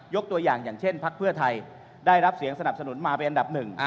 ตัวอย่างอย่างเช่นพักเพื่อไทยได้รับเสียงสนับสนุนมาเป็นอันดับหนึ่ง